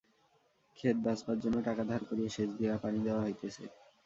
খেত বাঁচপার জন্যে টাকা ধার করিয়া সেচ দিয়া পানি দেওয়া হইতেছে।